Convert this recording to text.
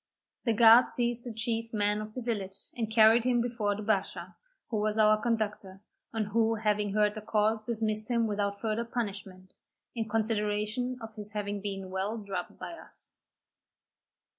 The guards seized the chief man of the village, and carried him before the bashaw, who was our conductor, and who having heard the cause dismissed him without further punishment, in consideration of his having been well drubbed by us.